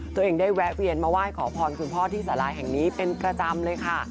ตัวเองได้แวะเวียนมาไหว้ขอพรคุณพ่อที่สาราแห่งนี้เป็นประจำเลยค่ะ